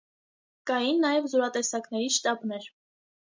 Կային նաև զորատեսակների շտաբներ։